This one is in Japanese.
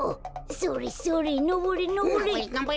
それそれのぼれのぼれ。